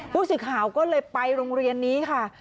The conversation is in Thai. ผู้สื่อข่าวก็เลยไปโรงเรียนนี้ค่ะ